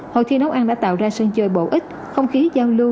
hội thi nấu ăn đã tạo ra sân chơi bổ ích không khí giao lưu